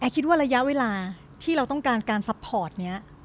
คิดว่าระยะเวลาที่เราต้องการการซัพพอร์ตนี้